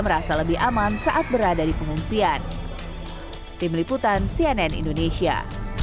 merasa lebih aman saat berada di pengungsian tim liputan cnn indonesia